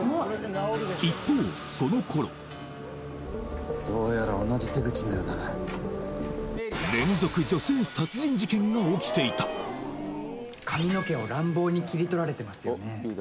一方どうやら同じ手口のようだな連続女性殺人事件が起きていた髪の毛を乱暴に切り取られてますよね